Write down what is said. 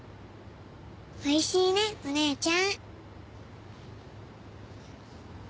おいしいねお姉ちゃん。